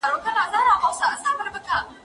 زه بايد انځورونه رسم کړم!؟